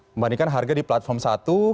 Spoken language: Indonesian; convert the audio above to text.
membandingkan harga di platform satu